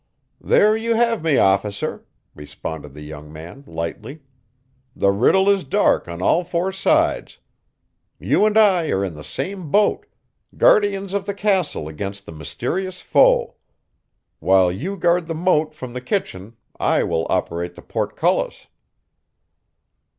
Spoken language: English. "There you have me, officer," responded the young man, lightly. "The riddle is dark on all four sides. You and I are in the same boat guardians of the castle against the mysterious foe. While you guard the moat from the kitchen I will operate the portcullis."